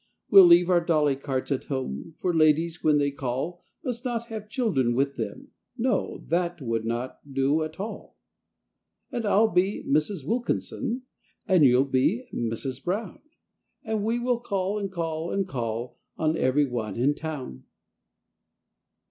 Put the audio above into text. We'll leave our dolly carts at home, For ladies, when they call, Must not have children with them, no, That would not do at all. And I'll be "Mrs. Wilkinson," And you'll be "Mrs. Brown," And we will call and call and call On every one in town!